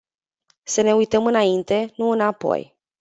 Să ne uităm înainte, nu înapoi.